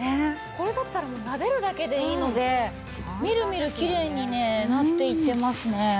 これだったらもうなでるだけでいいのでみるみるきれいにねなっていってますね。